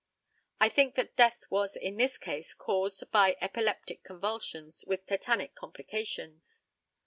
I think that death was in this case caused by epileptic convulsions with tetanic complications.